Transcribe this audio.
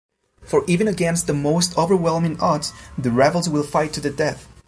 For even against the most overwhelming odds, the Rebels will fight to the death.